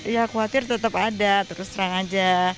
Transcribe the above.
ya khawatir tetap ada terus terang aja